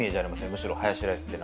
むしろ、ハヤシライスって。